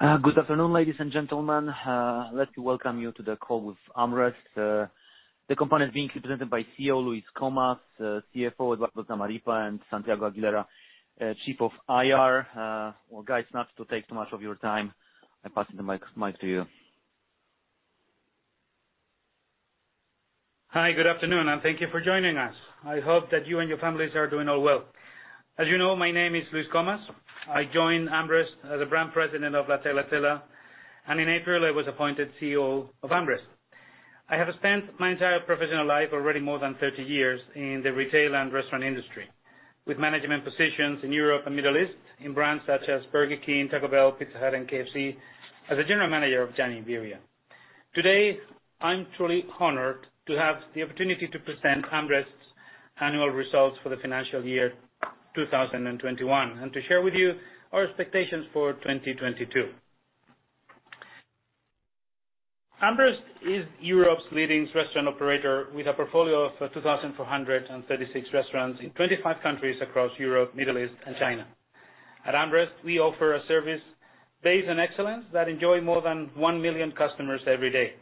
Good afternoon, ladies and gentlemen. Let me welcome you to the call with AmRest. The company is being represented by CEO Luis Comas, CFO Eduardo Zamarripa, and Santiago Aguilera, Chief of IR. Well, guys, not to take too much of your time, I'm passing the mic to you. Hi, good afternoon, and thank you for joining us. I hope that you and your families are doing all well. As you know, my name is Luis Comas. I joined AmRest as a brand president of La Tagliatella, and in April, I was appointed CEO of AmRest. I have spent my entire professional life, already more than 30 years, in the retail and restaurant industry, with management positions in Europe and Middle East in brands such as Burger King, Taco Bell, Pizza Hut, and KFC, as a general manager of Denny's Iberia. Today, I'm truly honored to have the opportunity to present AmRest's annual results for the financial year 2021 and to share with you our expectations for 2022. AmRest is Europe's leading restaurant operator with a portfolio of 2,436 restaurants in 25 countries across Europe, Middle East, and China. At AmRest, we offer a service based on excellence that is enjoyed by more than 1 million customers every day.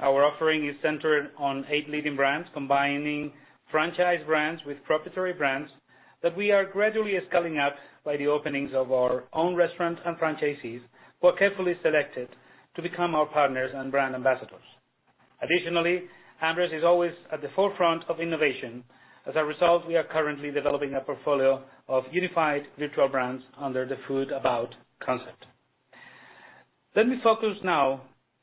Our offering is centered on eight leading brands, combining franchise brands with proprietary brands that we are gradually scaling up by the openings of our own restaurants and franchisees, who are carefully selected to become our partners and brand ambassadors. Additionally, AmRest is always at the forefront of innovation. As a result, we are currently developing a portfolio of unified virtual brands under the Food About concept. Let me focus now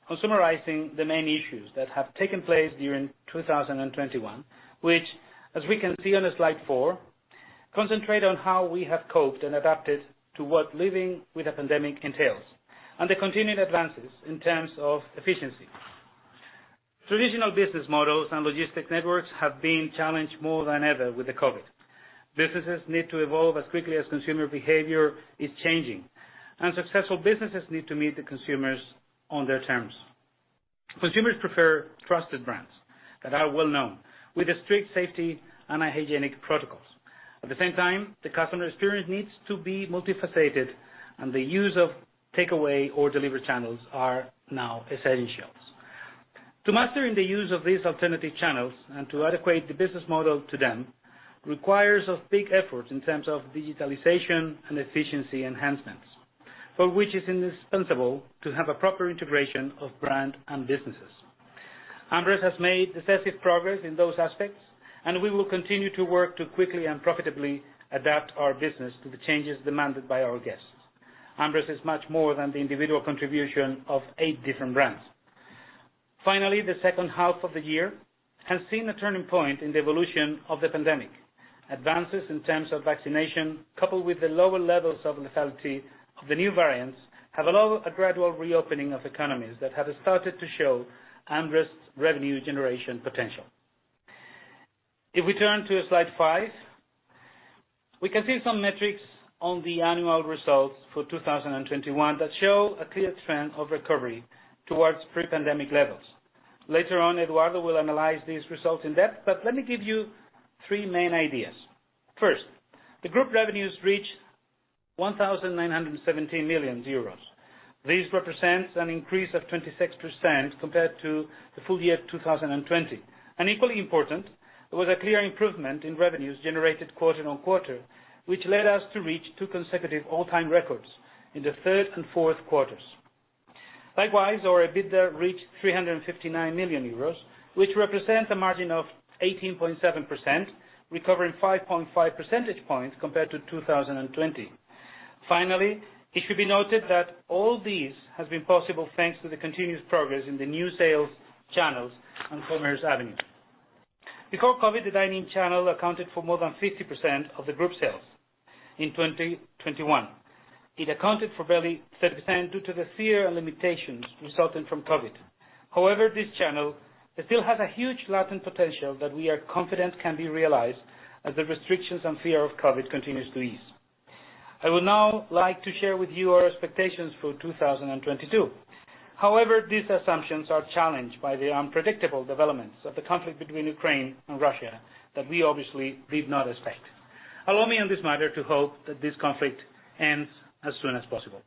on summarizing the main issues that have taken place during 2021, which, as we can see on slide four, concentrate on how we have coped and adapted to what living with a pandemic entails and the continued advances in terms of efficiency. Traditional business models and logistic networks have been challenged more than ever with the COVID. Businesses need to evolve as quickly as consumer behavior is changing, and successful businesses need to meet the consumers on their terms. Consumers prefer trusted brands that are well-known with strict safety and hygienic protocols. At the same time, the customer experience needs to be multifaceted, and the use of takeaway or delivery channels are now essentials. To master in the use of these alternative channels and to adapt the business model to them requires big efforts in terms of digitalization and efficiency enhancements, for which it is indispensable to have a proper integration of brand and businesses. AmRest has made decisive progress in those aspects, and we will continue to work to quickly and profitably adapt our business to the changes demanded by our guests. AmRest is much more than the individual contribution of eight different brands. Finally, the second half of the year has seen a turning point in the evolution of the pandemic. Advances in terms of vaccination, coupled with the lower levels of lethality of the new variants, have allowed a gradual reopening of economies that have started to show AmRest's revenue generation potential. If we turn to slide five, we can see some metrics on the annual results for 2021 that show a clear trend of recovery towards pre-pandemic levels. Later on, Eduardo will analyze these results in depth, but let me give you three main ideas. First, the group revenues reached 1,917 million euros. This represents an increase of 26% compared to the full year 2020. Equally important, there was a clear improvement in revenues generated quarter-on-quarter, which led us to reach two consecutive all-time records in the third and fourth quarters. Likewise, our EBITDA reached EUR 359 million, which represents a margin of 18.7%, recovering 5.5 percentage points compared to 2020. Finally, it should be noted that all this has been possible thanks to the continuous progress in the new sales channels in e-commerce and delivery. Before COVID, the dine-in channel accounted for more than 50% of the group sales. In 2021, it accounted for barely 30% due to the fear and limitations resulting from COVID. However, this channel still has a huge latent potential that we are confident can be realized as the restrictions and fear of COVID continues to ease. I would now like to share with you our expectations for 2022. However, these assumptions are challenged by the unpredictable developments of the conflict between Ukraine and Russia that we obviously did not expect. Allow me on this matter to hope that this conflict ends as soon as possible.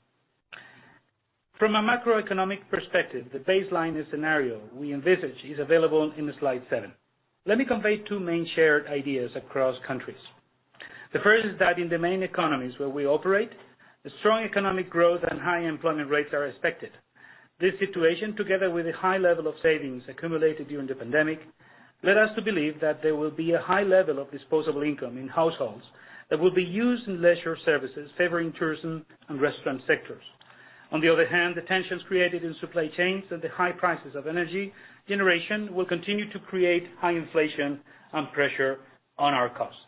From a macroeconomic perspective, the baseline scenario we envisage is available in slide seven. Let me convey two main shared ideas across countries. The first is that in the main economies where we operate, strong economic growth and high employment rates are expected. This situation, together with a high level of savings accumulated during the pandemic, led us to believe that there will be a high level of disposable income in households that will be used in leisure services, favoring tourism and restaurant sectors. On the other hand, the tensions created in supply chains and the high prices of energy generation will continue to create high inflation and pressure on our costs.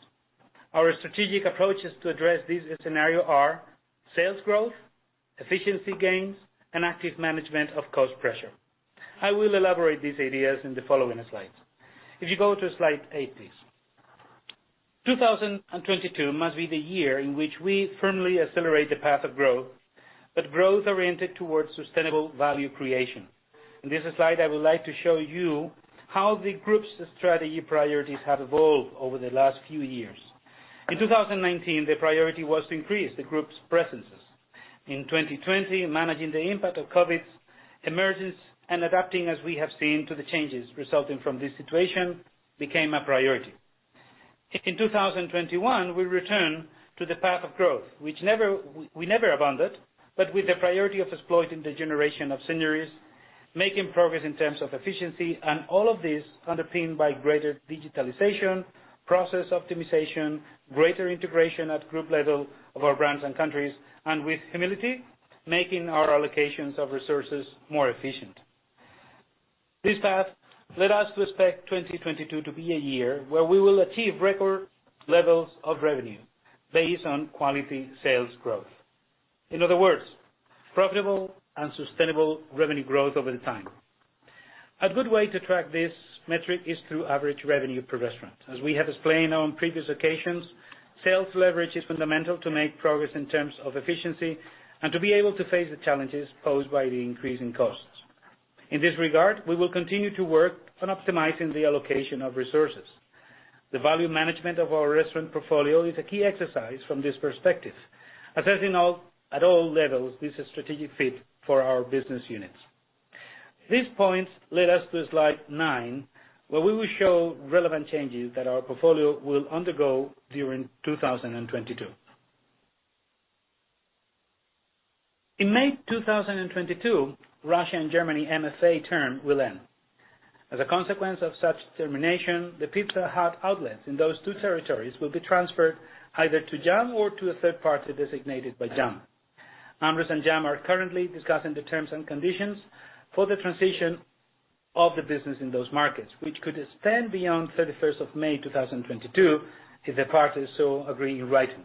Our strategic approaches to address this scenario are sales growth, efficiency gains, and active management of cost pressure. I will elaborate these ideas in the following slides. If you go to slide eight, please. 2022 must be the year in which we firmly accelerate the path of growth, but growth oriented towards sustainable value creation. In this slide, I would like to show you how the group's strategy priorities have evolved over the last few years. In 2019, the priority was to increase the group's presences. In 2020, managing the impact of COVID's emergence and adapting, as we have seen, to the changes resulting from this situation became a priority. In 2021, we return to the path of growth, which we never abandoned, but with the priority of exploiting the generation of synergies, making progress in terms of efficiency, and all of this underpinned by greater digitalization, process optimization, greater integration at group level of our brands and countries, and with humility, making our allocations of resources more efficient. This path led us to expect 2022 to be a year where we will achieve record levels of revenue based on quality sales growth. In other words, profitable and sustainable revenue growth over time. A good way to track this metric is through average revenue per restaurant. As we have explained on previous occasions, sales leverage is fundamental to make progress in terms of efficiency and to be able to face the challenges posed by the increase in costs. In this regard, we will continue to work on optimizing the allocation of resources. The value management of our restaurant portfolio is a key exercise from this perspective, assessing at all levels this strategic fit for our business units. These points led us to slide nine, where we will show relevant changes that our portfolio will undergo during 2022. In May 2022, Russia and Germany MFA term will end. As a consequence of such termination, the Pizza Hut outlets in those two territories will be transferred either to JAM or to a third party designated by JAM. AmRest and JAM are currently discussing the terms and conditions for the transition of the business in those markets, which could extend beyond 31st of May, 2022, if the parties so agree in writing.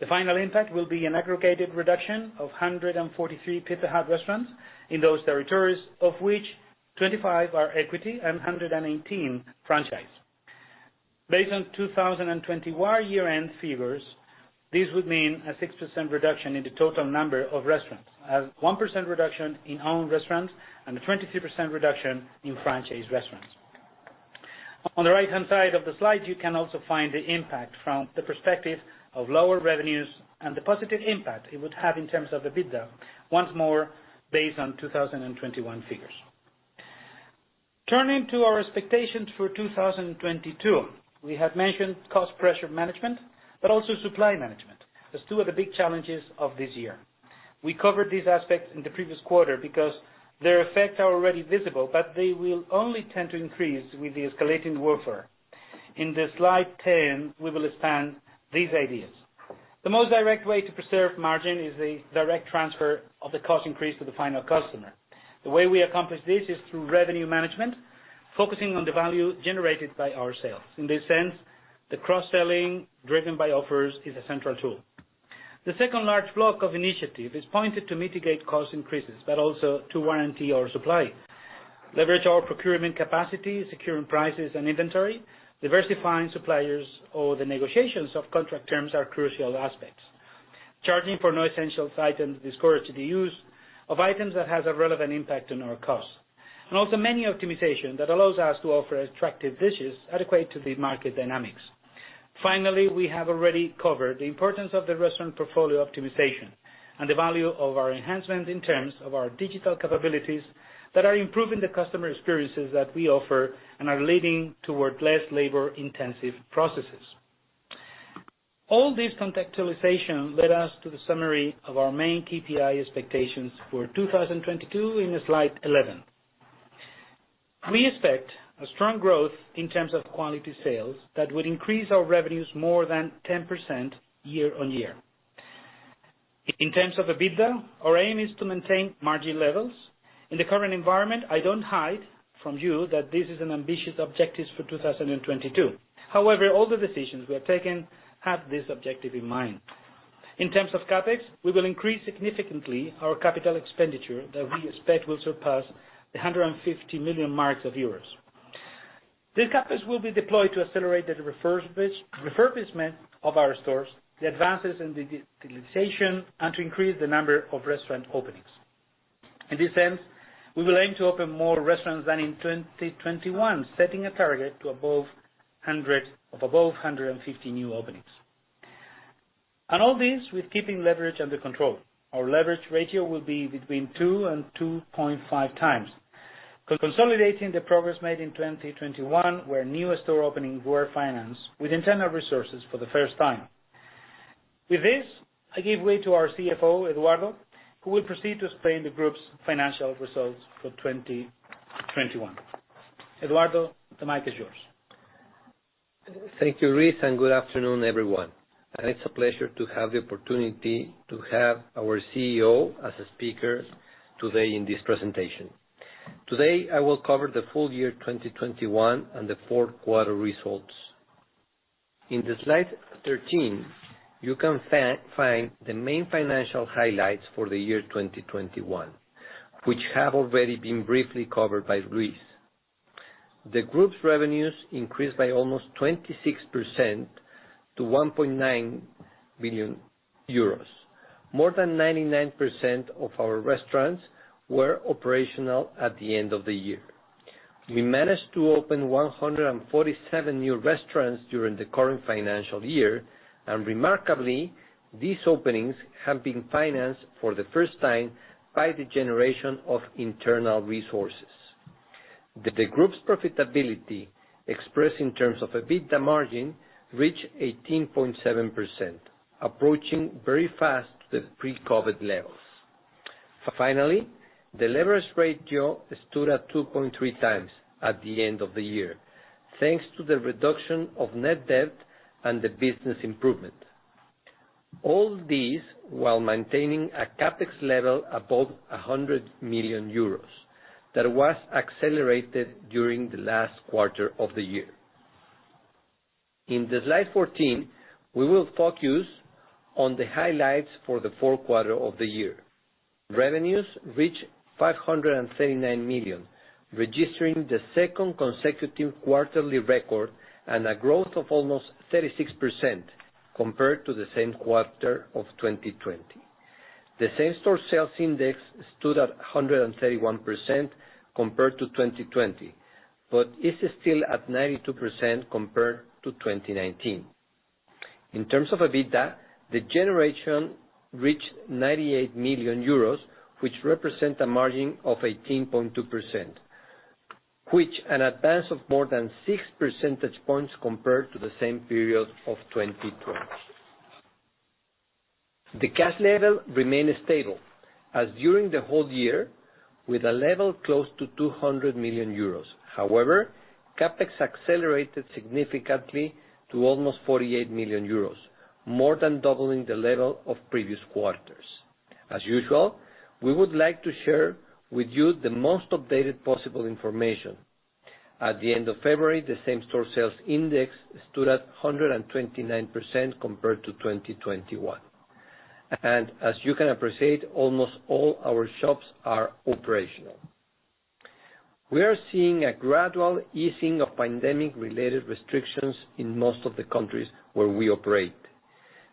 The final impact will be an aggregated reduction of 143 Pizza Hut restaurants in those territories, of which 25 are equity and 118 franchise. Based on 2021 year-end figures, this would mean a 6% reduction in the total number of restaurants, a 1% reduction in owned restaurants and a 23% reduction in franchise restaurants. On the right-hand side of the slide, you can also find the impact from the perspective of lower revenues and the positive impact it would have in terms of the EBITDA, once more based on 2021 figures. Turning to our expectations for 2022, we have mentioned cost pressure management, but also supply management. That's two of the big challenges of this year. We covered these aspects in the previous quarter because their effects are already visible, but they will only tend to increase with the escalating warfare. On slide 10, we will expand these ideas. The most direct way to preserve margin is the direct transfer of the cost increase to the final customer. The way we accomplish this is through revenue management, focusing on the value generated by our sales. In this sense, the cross-selling driven by offers is a central tool. The second large block of initiatives is pointed to mitigate cost increases, but also to warrant our supply. Leveraging our procurement capacity, securing prices and inventory, diversifying suppliers and negotiating contract terms are crucial aspects. Charging for non-essential items discourages the use of items that have a relevant impact on our costs. Also menu optimization that allows us to offer attractive dishes adequate to the market dynamics. Finally, we have already covered the importance of the restaurant portfolio optimization and the value of our enhancements in terms of our digital capabilities that are improving the customer experiences that we offer and are leading toward less labor-intensive processes. All this contextualization led us to the summary of our main KPI expectations for 2022 in slide 11. We expect a strong growth in terms of quality sales that would increase our revenues more than 10% year-on-year. In terms of EBITDA, our aim is to maintain margin levels. In the current environment, I don't hide from you that this is an ambitious objective for 2022. However, all the decisions we have taken have this objective in mind. In terms of CapEx, we will increase significantly our capital expenditure that we expect will surpass 150 million. This CapEx will be deployed to accelerate the refurbishment of our stores, the advances in the digitalization, and to increase the number of restaurant openings. In this sense, we will aim to open more restaurants than in 2021, setting a target of above 150 new openings. All this with keeping leverage under control. Our leverage ratio will be between two and 2.5 times. Consolidating the progress made in 2021, where new store openings were financed with internal resources for the first time. With this, I give way to our CFO, Eduardo, who will proceed to explain the group's financial results for 2021. Eduardo, the mic is yours. Thank you, Luis, and good afternoon, everyone. It's a pleasure to have the opportunity to have our CEO as a speaker today in this presentation. Today, I will cover the full year 2021 and the fourth quarter results. In the slide 13, you can find the main financial highlights for the year 2021, which have already been briefly covered by Luis. The group's revenues increased by almost 26% to 1.9 billion euros. More than 99% of our restaurants were operational at the end of the year. We managed to open 147 new restaurants during the current financial year, and remarkably, these openings have been financed for the first time by the generation of internal resources. The group's profitability, expressed in terms of an EBITDA margin, reached 18.7%, approaching very fast to the pre-COVID levels. Finally, the leverage ratio stood at 2.3 times at the end of the year, thanks to the reduction of net debt and the business improvement. All these, while maintaining a CapEx level above 100 million euros that was accelerated during the last quarter of the year. In slide 14, we will focus on the highlights for the fourth quarter of the year. Revenues reached 539 million, registering the second consecutive quarterly record and a growth of almost 36% compared to the same quarter of 2020. The same-store sales index stood at 131% compared to 2020, but it is still at 92% compared to 2019. In terms of EBITDA, the generation reached 98 million euros, which represent a margin of 18.2%, which an advance of more than six percentage points compared to the same period of 2020. The cash level remained stable as during the whole year with a level close to 200 million euros. However, CapEx accelerated significantly to almost 48 million euros, more than doubling the level of previous quarters. As usual, we would like to share with you the most updated possible information. At the end of February, the same-store sales index stood at 129% compared to 2021. As you can appreciate, almost all our shops are operational. We are seeing a gradual easing of pandemic-related restrictions in most of the countries where we operate.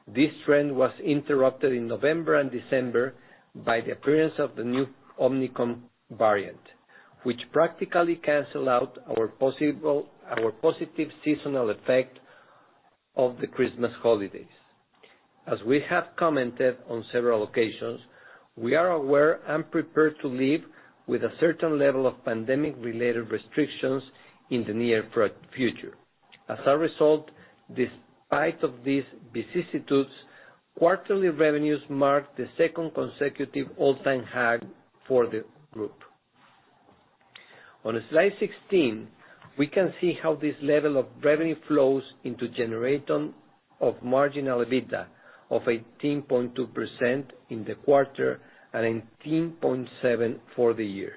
This trend was interrupted in November and December by the appearance of the new Omicron variant, which practically cancel out our positive seasonal effect of the Christmas holidays. As we have commented on several occasions, we are aware and prepared to live with a certain level of pandemic-related restrictions in the near future. As a result, despite of these vicissitudes, quarterly revenues marked the second consecutive all-time high for the group. On slide 16, we can see how this level of revenue flows into generation of marginal EBITDA of 18.2% in the quarter and 18.7% for the year.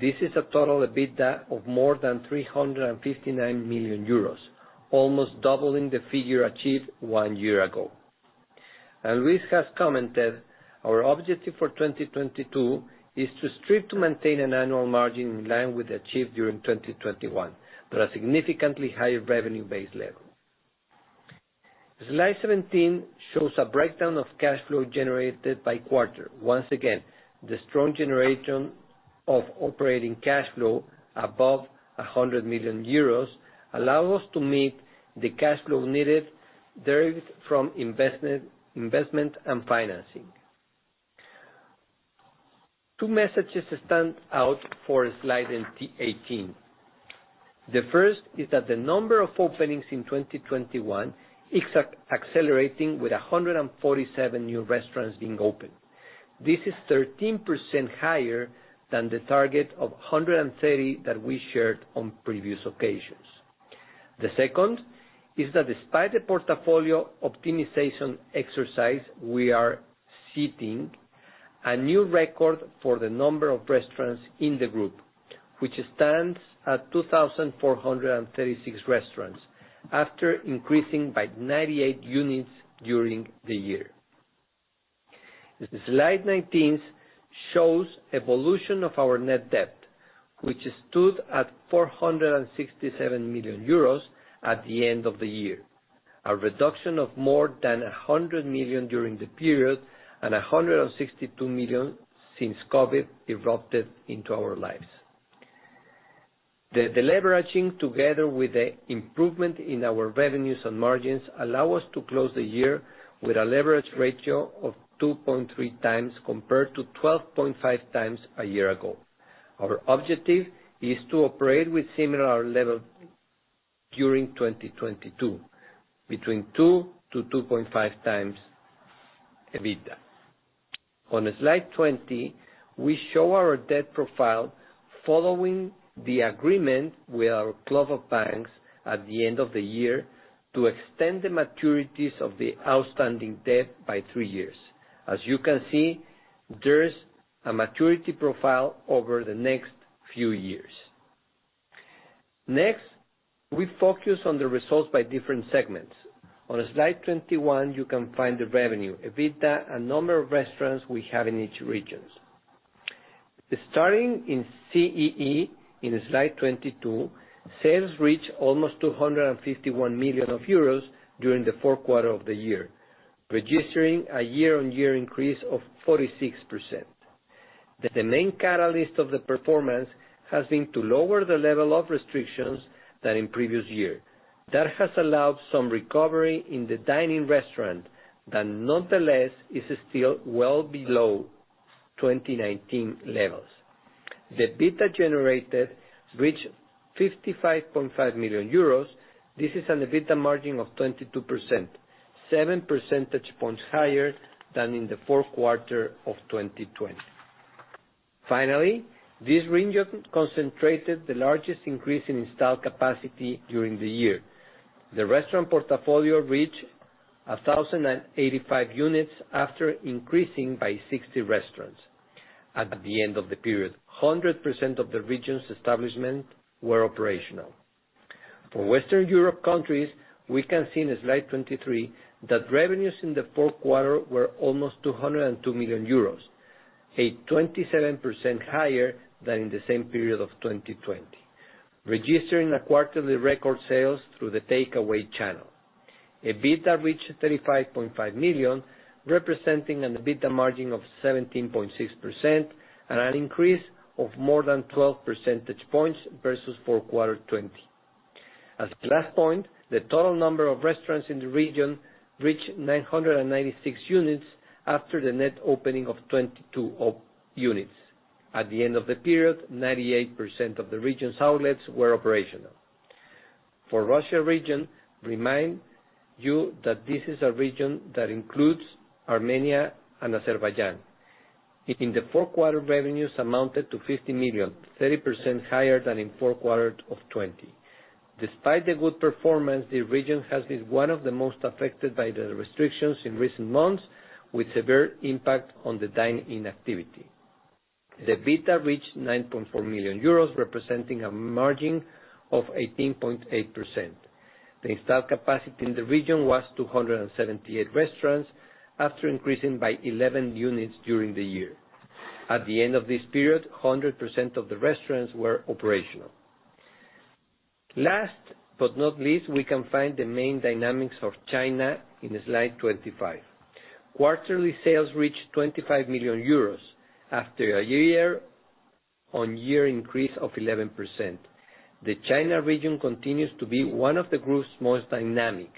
This is a total EBITDA of more than 359 million euros, almost doubling the figure achieved one year ago. As Luis has commented, our objective for 2022 is to strive to maintain an annual margin in line with the achieved during 2021, but a significantly higher revenue base level. Slide 17 shows a breakdown of cash flow generated by quarter. Once again, the strong generation of operating cash flow above 100 million euros allows us to meet the cash flow needed derived from investment and financing. Two messages stand out for slide 18. The first is that the number of openings in 2021 is accelerating with 147 new restaurants being opened. This is 13% higher than the target of 130 that we shared on previous occasions. The second is that despite the portfolio optimization exercise, we are setting a new record for the number of restaurants in the group, which stands at 2,436 restaurants after increasing by 98 units during the year. Slide 19 shows evolution of our net debt, which stood at 467 million euros at the end of the year. A reduction of more than 100 million during the period and 162 million since COVID erupted into our lives. The leveraging, together with the improvement in our revenues and margins, allow us to close the year with a leverage ratio of 2.3 times compared to 12.5 times a year ago. Our objective is to operate with similar level during 2022, between 2-2.5 times EBITDA. On slide 20, we show our debt profile following the agreement with our club of banks at the end of the year to extend the maturities of the outstanding debt by three years. As you can see, there's a maturity profile over the next few years. Next. We focus on the results by different segments. On slide 21, you can find the revenue, EBITDA, and number of restaurants we have in each regions. Starting in CEE, in slide 22, sales reached almost 251 million euros during the fourth quarter of the year, registering a year-on-year increase of 46%. The main catalyst of the performance has been to lower the level of restrictions than in previous year. That has allowed some recovery in the dine-in restaurant that nonetheless is still well below 2019 levels. The EBITDA generated reached 55.5 million euros. This is an EBITDA margin of 22%, 7 percentage points higher than in the fourth quarter of 2020. This region concentrated the largest increase in installed capacity during the year. The restaurant portfolio reached 1,085 units after increasing by 60 restaurants. At the end of the period, 100% of the region's establishments were operational. For Western Europe countries, we can see in slide 23 that revenues in the fourth quarter were almost 202 million euros, 27% higher than in the same period of 2020, registering a quarterly record sales through the takeaway channel. EBITDA reached 35.5 million, representing an EBITDA margin of 17.6% and an increase of more than 12 percentage points versus fourth quarter 2020. As last point, the total number of restaurants in the region reached 996 units after the net opening of 22 units. At the end of the period, 98% of the region's outlets were operational. For Russia region, remind you that this is a region that includes Armenia and Azerbaijan. In the fourth quarter, revenues amounted to 50 million, 30% higher than in fourth quarter of 2020. Despite the good performance, the region has been one of the most affected by the restrictions in recent months, with severe impact on the dine-in activity. The EBITDA reached 9.4 million euros, representing a margin of 18.8%. The installed capacity in the region was 278 restaurants after increasing by 11 units during the year. At the end of this period, 100% of the restaurants were operational. Last but not least, we can find the main dynamics of China in slide 25. Quarterly sales reached 25 million euros after a year-on-year increase of 11%. The China region continues to be one of the group's most dynamic.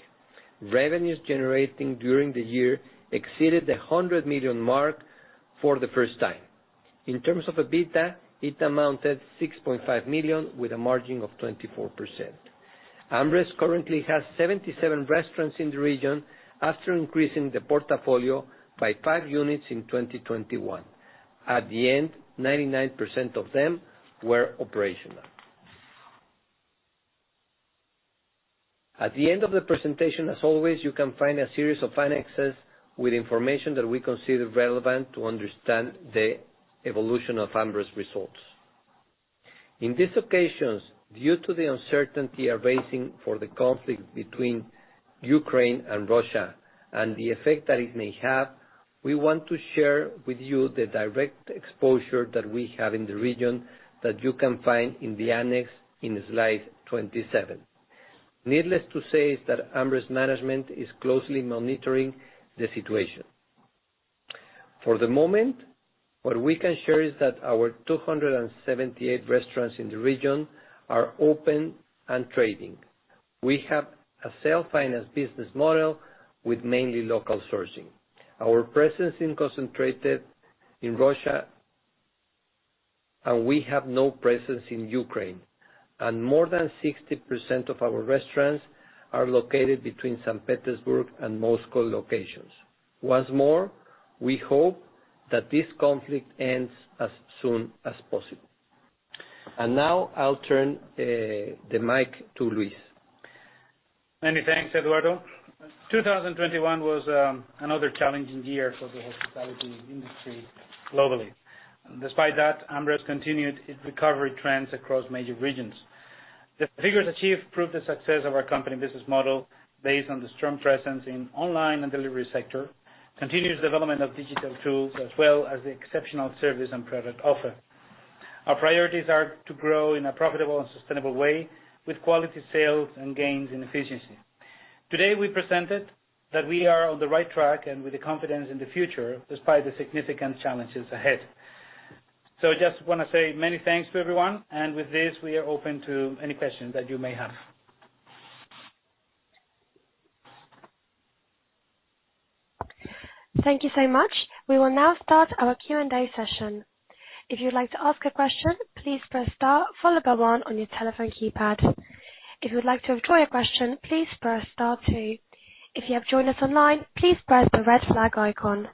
Revenues generated during the year exceeded the 100 million mark for the first time. In terms of EBITDA, it amounted 6.5 million with a margin of 24%. AmRest currently has 77 restaurants in the region after increasing the portfolio by five units in 2021. At the end, 99% of them were operational. At the end of the presentation, as always, you can find a series of annexes with information that we consider relevant to understand the evolution of AmRest results. In these occasions, due to the uncertainty arising for the conflict between Ukraine and Russia and the effect that it may have, we want to share with you the direct exposure that we have in the region that you can find in the annex in slide 27. Needless to say is that AmRest's management is closely monitoring the situation. For the moment, what we can share is that our 278 restaurants in the region are open and trading. We have a self-financed business model with mainly local sourcing. Our presence is concentrated in Russia, and we have no presence in Ukraine, and more than 60% of our restaurants are located between Saint Petersburg and Moscow locations. Once more, we hope that this conflict ends as soon as possible. Now I'll turn the mic to Luis. Many thanks, Eduardo. 2021 was another challenging year for the hospitality industry globally. Despite that, AmRest continued its recovery trends across major regions. The figures achieved proved the success of our company business model based on the strong presence in online and delivery sector, continuous development of digital tools, as well as the exceptional service and product offer. Our priorities are to grow in a profitable and sustainable way with quality sales and gains in efficiency. Today, we presented that we are on the right track and with the confidence in the future despite the significant challenges ahead. I just wanna say many thanks to everyone. With this, we are open to any questions that you may have. Thank you so much. We will now start our Q&A session. If you'd like to ask a question, please press star followed by one on your telephone keypad. If you'd like to withdraw your question, please press star two. If you have joined us online, please press the red flag icon.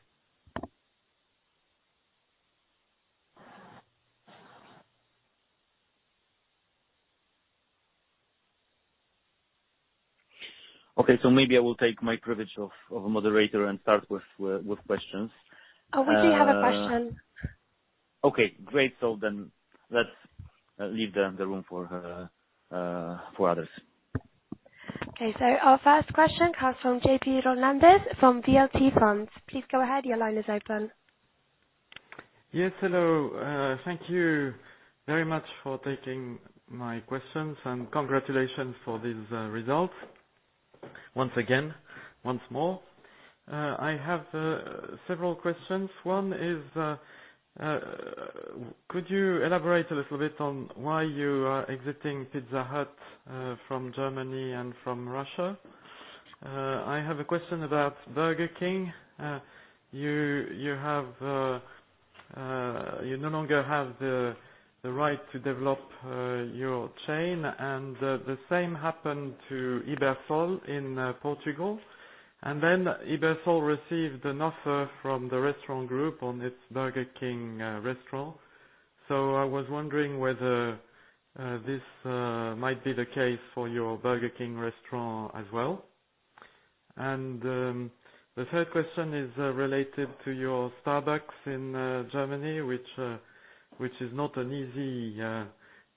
Okay, maybe I will take my privilege of a moderator and start with questions. Oh, we do have a question. Okay, great. Let's leave the room for others. Okay, our first question comes from J.P. Hernandez from VLC Funds. Please go ahead. Your line is open. Yes, hello. Thank you very much for taking my questions, and congratulations for these results once again, once more. I have several questions. One is, could you elaborate a little bit on why you are exiting Pizza Hut from Germany and from Russia? I have a question about Burger King. You no longer have the right to develop your chain. The same happened to Ibersol in Portugal. Ibersol received an offer from the restaurant group on its Burger King restaurant. I was wondering whether this might be the case for your Burger King restaurant as well. The third question is related to your Starbucks in Germany, which is not an easy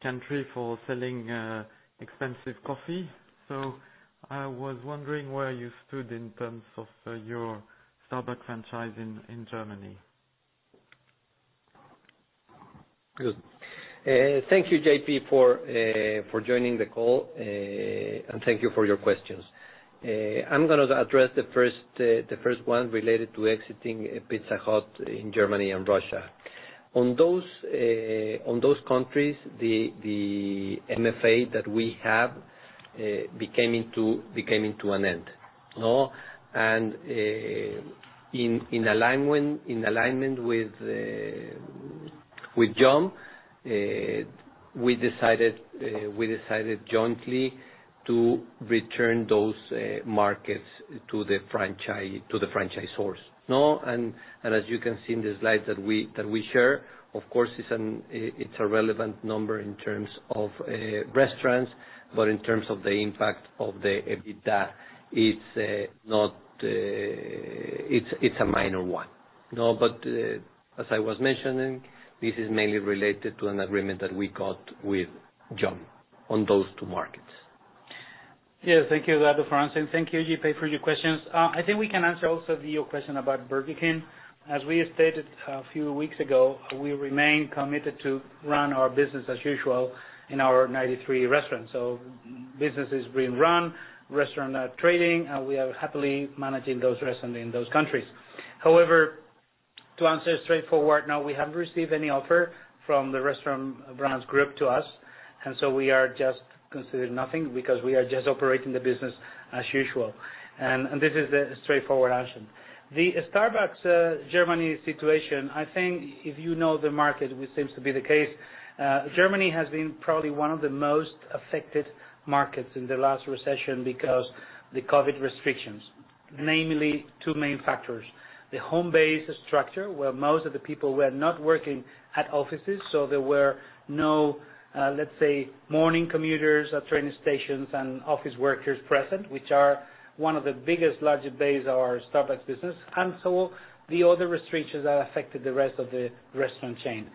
country for selling expensive coffee. I was wondering where you stood in terms of your Starbucks franchise in Germany. Good. Thank you, JP, for joining the call. Thank you for your questions. I'm gonna address the first one related to exiting Pizza Hut in Germany and Russia. On those countries, the MFA that we have came to an end. In alignment with John, we decided jointly to return those markets to the franchisor. Now, as you can see in the slides that we share, of course, it's an irrelevant number in terms of restaurants, but in terms of the impact on the EBITDA, it's a minor one. Now, as I was mentioning, this is mainly related to an agreement that we got with John on those two markets. Yeah, thank you, Eduardo. Thank you, JP, for your questions. I think we can answer also your question about Burger King. As we stated a few weeks ago, we remain committed to run our business as usual in our 93 restaurants. Business is being run, restaurant trading, and we are happily managing those restaurants in those countries. However, to answer straightforward, no, we haven't received any offer from the Restaurant Brands International to us. We are just considered nothing because we are just operating the business as usual. This is a straightforward answer. The Starbucks Germany situation, I think if you know the market, which seems to be the case, Germany has been probably one of the most affected markets in the last recession because the COVID restrictions. Namely, two main factors: the home-based structure, where most of the people were not working at offices, so there were no, let's say, morning commuters at train stations and office workers present, which are one of the biggest large base of our Starbucks business, and so the other restrictions that affected the rest of the restaurant chain.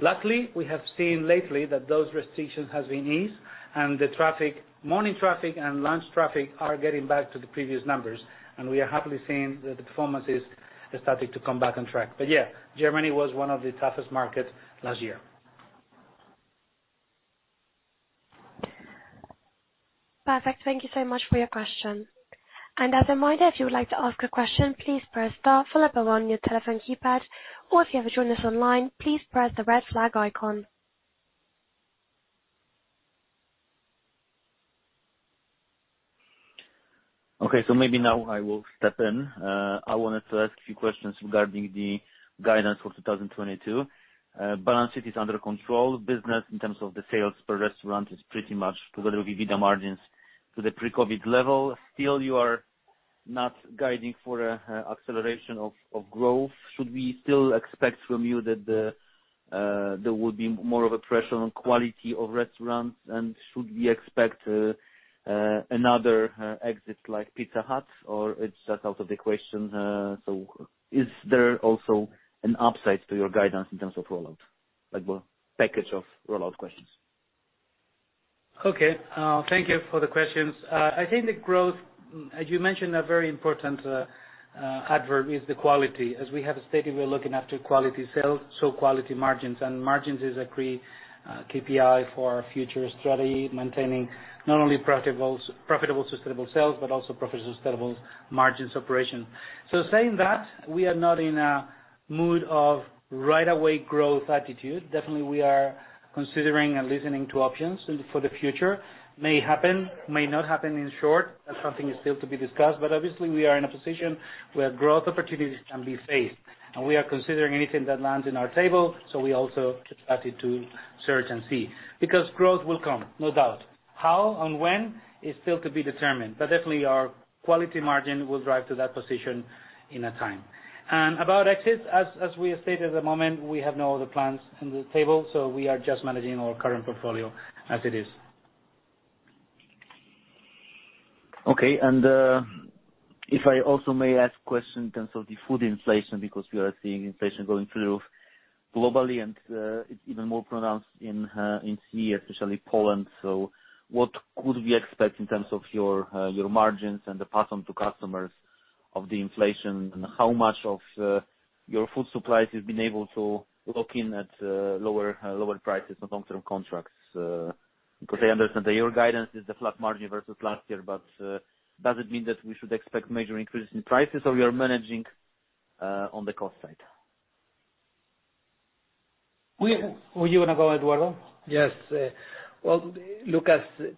Lastly, we have seen lately that those restrictions has been eased and the traffic, morning traffic and lunch traffic are getting back to the previous numbers, and we are happily seeing the performances starting to come back on track. Yeah, Germany was one of the toughest markets last year. Perfect. Thank you so much for your question. As a reminder, if you would like to ask a question, please press star followed by one on your telephone keypad, or if you have joined us online, please press the red flag icon. Maybe now I will step in. I wanted to ask a few questions regarding the guidance for 2022. Balance sheet is under control. Business, in terms of the sales per restaurant, is pretty much together with EBITDA margins to the pre-COVID level. Still, you are not guiding for acceleration of growth. Should we still expect from you that there would be more of a pressure on quality of restaurants? Should we expect another exit like Pizza Hut, or it's just out of the question? Is there also an upside to your guidance in terms of rollout? Like, well, package of rollout questions. Okay. Thank you for the questions. I think the growth, as you mentioned, a very important adverb is the quality. As we have stated, we're looking after quality sales, so quality margins. Margins is a key KPI for our future strategy, maintaining not only profitable sustainable sales, but also profitable sustainable margins operation. Saying that, we are not in a mood of right-away-growth attitude. Definitely, we are considering and listening to options and for the future. May happen, may not happen. In short, that's something is still to be discussed. Obviously, we are in a position where growth opportunities can be faced, and we are considering anything that lands in our table, so we also keep at it to search and see. Because growth will come, no doubt. How and when is still to be determined, but definitely our quality margin will drive to that position in a time. About exits, as we have stated, at the moment, we have no other plans on the table, so we are just managing our current portfolio as it is. Okay. If I also may ask question in terms of the food inflation, because we are seeing inflation going through the roof globally, and it's even more pronounced in CEE, especially Poland. What could we expect in terms of your margins and the pass on to customers of the inflation? How much of your food supplies you've been able to lock in at lower prices on long-term contracts, because I understand that your guidance is the flat margin versus last year, but does it mean that we should expect major increase in prices or you're managing on the cost side? Were you gonna go, Eduardo? Yes. Well, Łukasz,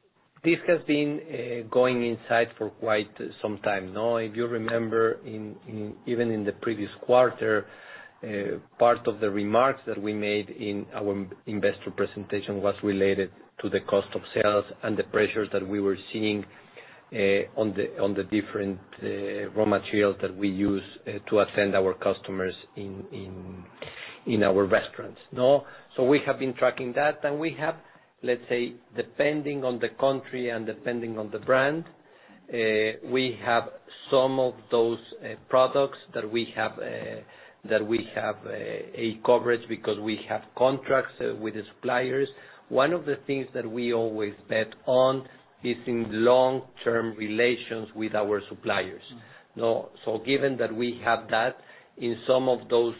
this has been going on for quite some time now. If you remember, even in the previous quarter, part of the remarks that we made in our investor presentation was related to the cost of sales and the pressures that we were seeing on the different raw materials that we use to attend our customers in our restaurants. No? We have been tracking that, and we have, let's say, depending on the country and depending on the brand, we have some of those products that we have a coverage because we have contracts with the suppliers. One of the things that we always bet on is our long-term relations with our suppliers. No? Given that we have that in some of those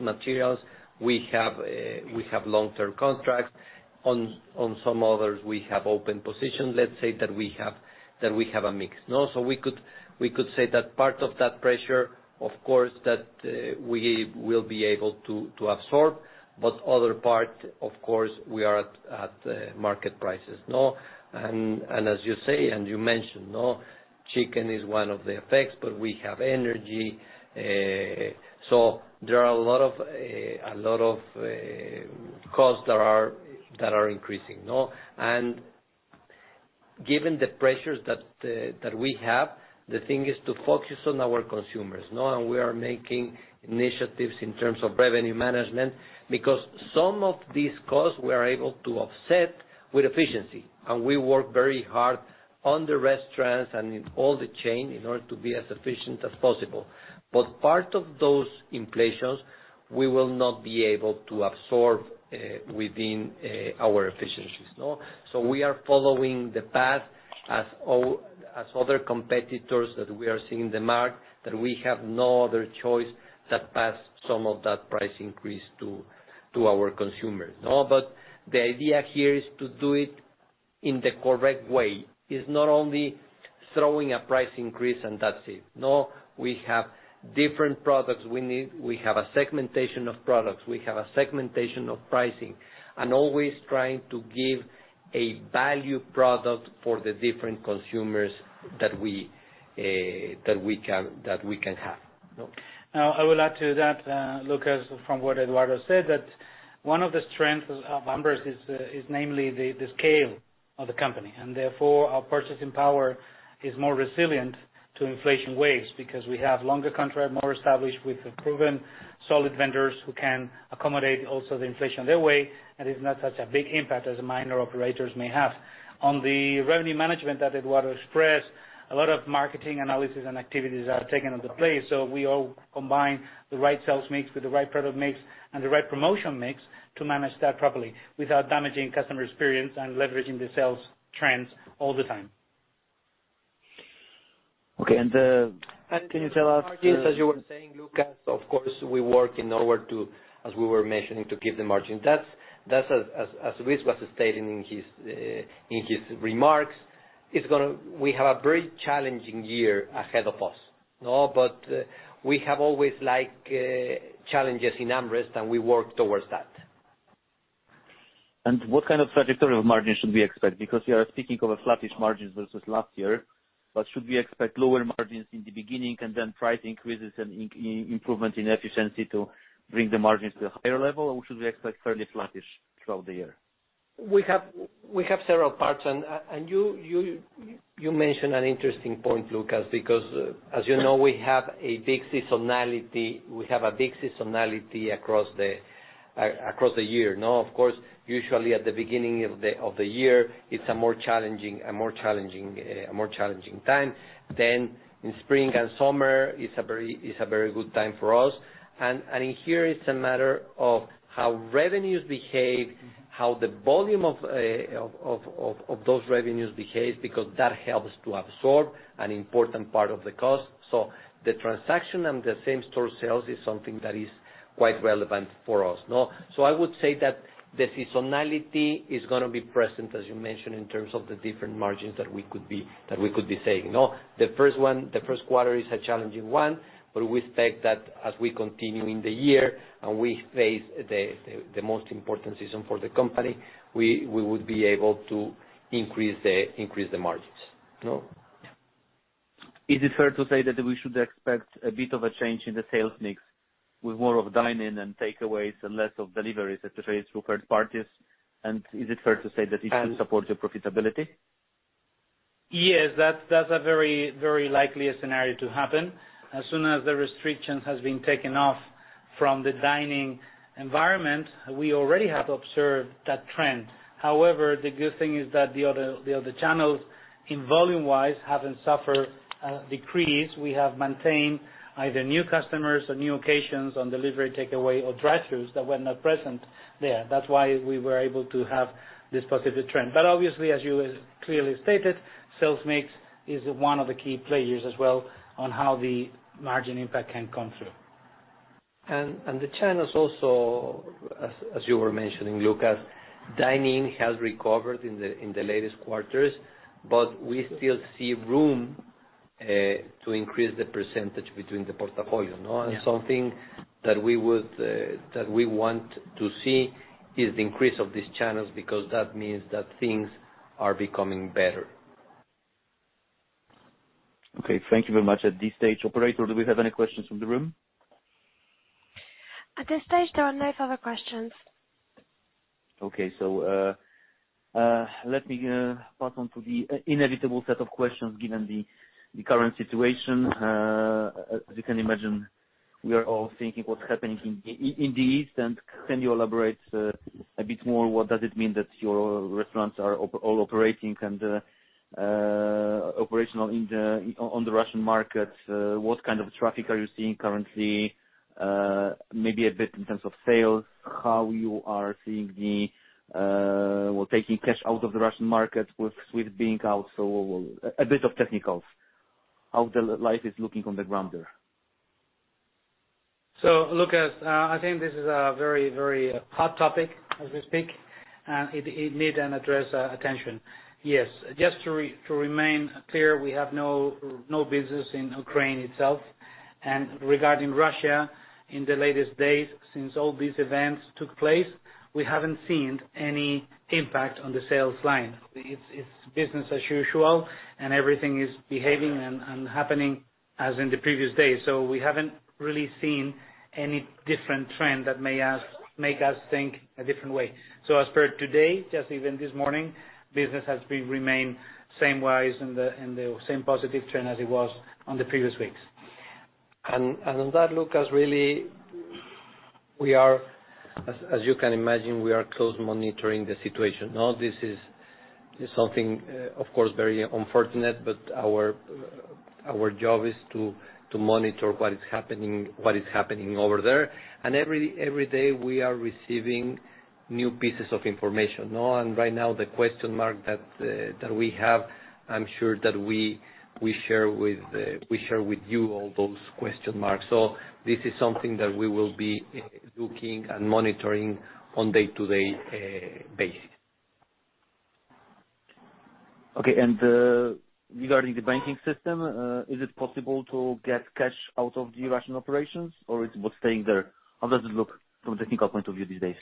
materials, we have long-term contracts. On some others, we have open positions. Let's say that we have a mix, no? We could say that part of that pressure, of course, we will be able to absorb, but other parts, of course, we are at market prices, no? As you say, you mentioned, no? Chicken is one of the effects, but we have energy. There are a lot of costs that are increasing, no? Given the pressures that we have, the thing is to focus on our consumers, no? We are making initiatives in terms of revenue management, because some of these costs we are able to offset with efficiency, and we work very hard on the restaurants and in all the chain in order to be as efficient as possible. Part of those inflation, we will not be able to absorb within our efficiencies, no? We are following the path as other competitors that we are seeing in the market, that we have no other choice than pass some of that price increase to our consumers. No? The idea here is to do it in the correct way. It's not only throwing a price increase and that's it. No, we have different products we need. We have a segmentation of products, we have a segmentation of pricing, and always trying to give a value product for the different consumers that we can have. No? Now, I would add to that, Łukasz, from what Eduardo said, that one of the strengths of AmRest is namely the scale of the company, and therefore our purchasing power is more resilient to inflation waves because we have longer contract, more established with proven, solid vendors who can accommodate also the inflation their way, and it's not such a big impact as minor operators may have. On the revenue management that Eduardo expressed, a lot of marketing analysis and activities are taking place, so we all combine the right sales mix with the right product mix and the right promotion mix to manage that properly without damaging customer experience and leveraging the sales trends all the time. Okay. Can you tell us? Margins, as you were saying, Lucasz, of course, we're working onward to, as we were mentioning, to keep the margin. That's as Luis was stating in his remarks, we have a very challenging year ahead of us. No? We have always like challenges in AmRest, and we work towards that. What kind of trajectory of margins should we expect? Because you are speaking of a flattish margins versus last year, but should we expect lower margins in the beginning and then price increases and improvements in efficiency to bring the margins to a higher level, or should we expect fairly flattish throughout the year? We have several parts and you mentioned an interesting point, Lucas, because as you know, we have a big seasonality across the year. Now, of course, usually at the beginning of the year, it's a more challenging time. Then in spring and summer, it's a very good time for us. In here, it's a matter of how revenues behave, how the volume of those revenues behaves, because that helps to absorb an important part of the cost. The transaction and the same-store sales is something that is quite relevant for us. No? I would say that the seasonality is gonna be present, as you mentioned, in terms of the different margins that we could be saying. No? The first one, the first quarter is a challenging one, but we expect that as we continue in the year and we face the most important season for the company, we would be able to increase the margins. No? Is it fair to say that we should expect a bit of a change in the sales mix with more of dine-in and takeaways and less of deliveries, especially through third parties? Is it fair to say that it can support your profitability? Yes. That's a very likeliest scenario to happen. As soon as the restriction has been taken off from the dining environment, we already have observed that trend. However, the good thing is that the other channels in volume-wise haven't suffered decrease. We have maintained either new customers or new occasions on delivery, takeaway or drive-throughs that were not present there. That's why we were able to have this positive trend. But obviously, as you clearly stated, sales mix is one of the key players as well on how the margin impact can come through. The channels also, as you were mentioning, Łukasz, dine-in has recovered in the latest quarters, but we still see room to increase the percentage between the portfolio, you know. Something that we want to see is the increase of these channels, because that means that things are becoming better. Okay, thank you very much. At this stage, operator, do we have any questions from the room? At this stage, there are no further questions. Okay. Let me pass on to the inevitable set of questions given the current situation. As you can imagine, we are all thinking what's happening in the East, and can you elaborate a bit more? What does it mean that your restaurants are all operating and operational in the Russian market? What kind of traffic are you seeing currently? Maybe a bit in terms of sales, how you are seeing. Well, taking cash out of the Russian market with being out, so a bit of technicals, how the life is looking on the ground there. Łukasz, I think this is a very hot topic as we speak, and it need an address, attention. Yes. Just to remain clear, we have no business in Ukraine itself. Regarding Russia, in the latest days, since all these events took place, we haven't seen any impact on the sales line. It's business as usual, and everything is behaving and happening as in the previous days. We haven't really seen any different trend that may make us think a different way. As per today, just even this morning, business has been remain same wise in the same positive trend as it was on the previous weeks. On that, Łukasz, really, we are closely monitoring the situation. Now, this is something, of course, very unfortunate, but our job is to monitor what is happening over there. Every day, we are receiving new pieces of information, no? Right now, the question mark that we have, I'm sure that we share with you all those question marks. This is something that we will be looking and monitoring on day-to-day basis. Okay. Regarding the banking system, is it possible to get cash out of the Russian operations, or it's both staying there? How does it look from a technical point of view these days?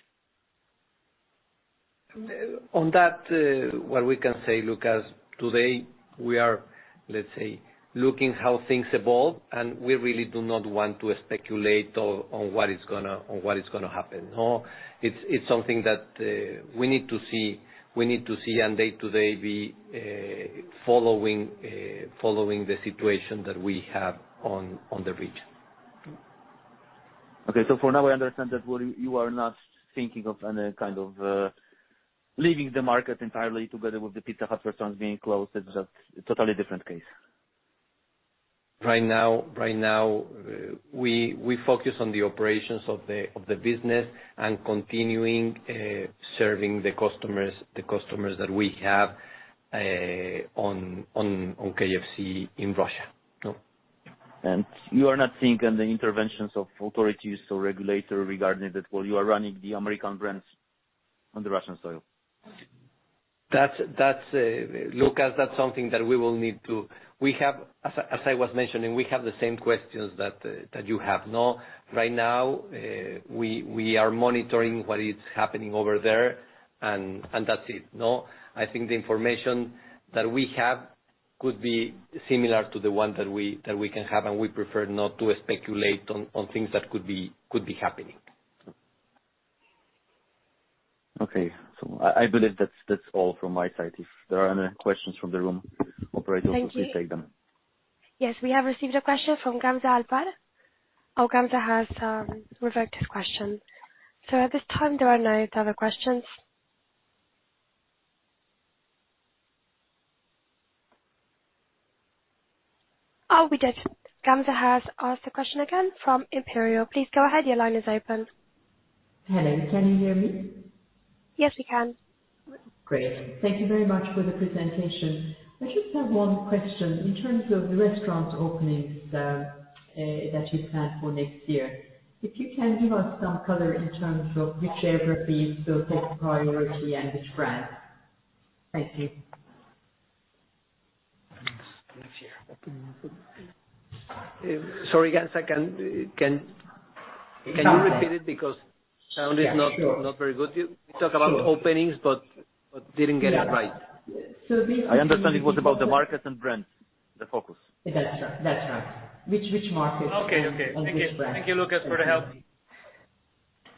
On that, what we can say, Łukasz, today we are, let's say, looking how things evolve, and we really do not want to speculate on what is gonna happen, no. It's something that we need to see and day to day be following the situation that we have on the region. Okay. For now, I understand that what you are not thinking of any kind of leaving the market entirely together with the Pizza Hut restaurants being closed. It's a totally different case. Right now, we focus on the operations of the business and continuing serving the customers that we have on KFC in Russia. No. You are not seeing any interventions of authorities or regulator regarding that, well, you are running the American brands on the Russian soil. That's something that we will need to. As I was mentioning, we have the same questions that you have, no? Right now, we are monitoring what is happening over there, and that's it, no? I think the information that we have could be similar to the one that we can have, and we prefer not to speculate on things that could be happening. Okay. I believe that's all from my side. If there are any questions from the room, operator will please take them. Thank you. Yes, we have received a question from Gamze Alpal. Oh, Gamze has reverted question. At this time, there are no other questions. Oh, we did. Gamze has asked the question again from Imperial. Please go ahead. Your line is open. Hello. Can you hear me? Yes, we can. Great. Thank you very much for the presentation. I just have one question. In terms of the restaurant openings, that you plan for next year, if you can give us some color in terms of whichever these will take priority and which brand. Thank you. Next year. Sorry, Gamze, can you repeat it because sound is not very good. You talk about openings but didn't get it right. So the- I understand it was about the market and brand, the focus. That's right. Which market- Okay. Thank you, Łukasz, for the help.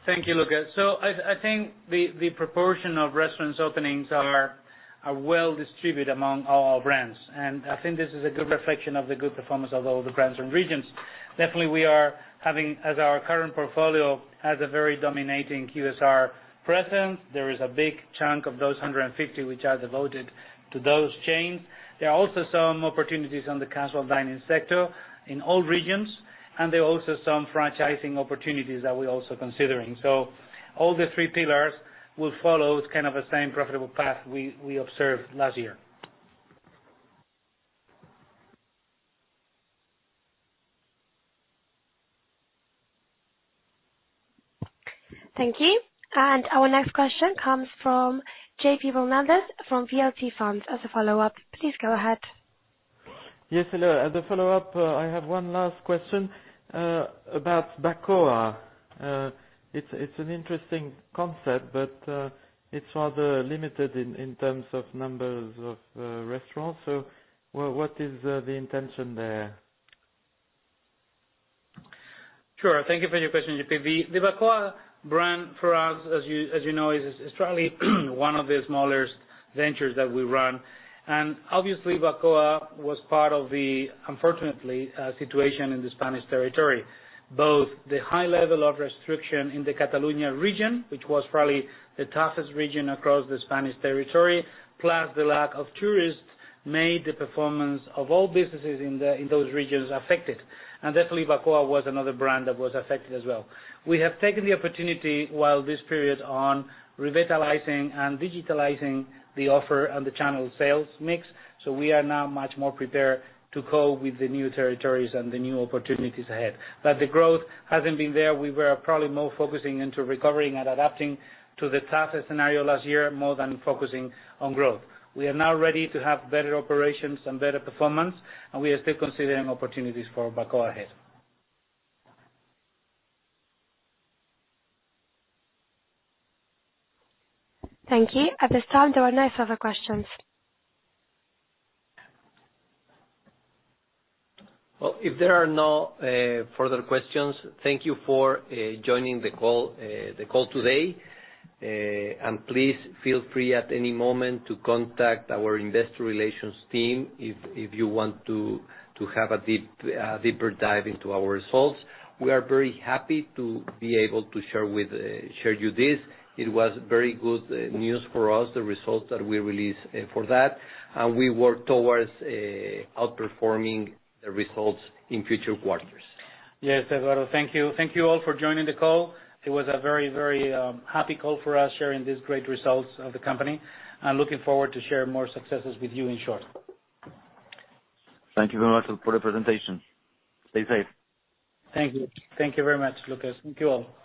I think the proportion of restaurants openings are well distributed among all our brands. I think this is a good reflection of the good performance of all the brands and regions. Definitely, as our current portfolio has a very dominating QSR presence, there is a big chunk of those 150 which are devoted to those chains. There are also some opportunities on the casual dining sector in all regions, and there are also some franchising opportunities that we're also considering. All the three pillars will follow kind of the same profitable path we observed last year. Thank you. Our next question comes from J.P. Hernandez from VLC Funds as a follow-up. Please go ahead. Yes, hello. As a follow-up, I have one last question about Bacoa. It's an interesting concept, but it's rather limited in terms of numbers of restaurants. What is the intention there? Sure. Thank you for your question, J.P. The Bacoa brand for us, as you know, is strongly one of the smallest ventures that we run. Obviously Bacoa was part of the unfortunate situation in the Spanish territory, both the high level of restriction in the Catalonia region, which was probably the toughest region across the Spanish territory, plus the lack of tourists, made the performance of all businesses in those regions affected. Definitely Bacoa was another brand that was affected as well. We have taken the opportunity while this period on revitalizing and digitizing the offer and the channel sales mix, so we are now much more prepared to go with the new territories and the new opportunities ahead. The growth hasn't been there. We were probably more focusing into recovering and adapting to the tougher scenario last year, more than focusing on growth. We are now ready to have better operations and better performance, and we are still considering opportunities for Bacoa ahead. Thank you. At this time, there are no further questions. Well, if there are no further questions, thank you for joining the call today. Please feel free at any moment to contact our investor relations team if you want to have a deeper dive into our results. We are very happy to be able to share with you this. It was very good news for us, the results that we released, for that, and we work towards outperforming the results in future quarters. Yes, Eduardo. Thank you. Thank you all for joining the call. It was a very happy call for us, sharing these great results of the company, and looking forward to share more successes with you in short. Thank you very much for the presentation. Stay safe. Thank you. Thank you very much, Łukasz. Thank you all.